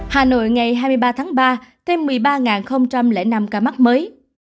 hà nội ngày hai mươi ba tháng ba thêm một mươi ba năm ca mắc mới